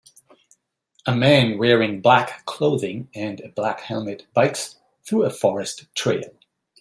A man wearing black clothing and a black helmet bikes through a forest trail.